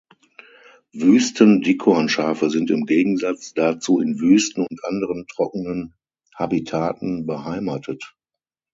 Wüsten-Dickhornschafe sind im Gegensatz dazu in Wüsten und anderen trockenen Habitaten beheimatet.